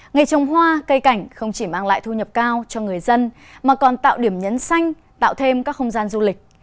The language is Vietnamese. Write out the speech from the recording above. nghề trồng hoa cây cảnh không chỉ mang lại thu nhập cao cho người dân mà còn tạo điểm nhấn xanh tạo thêm các không gian du lịch